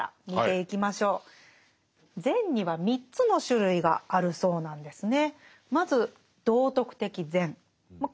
善には３つの種類があるそうなんですね。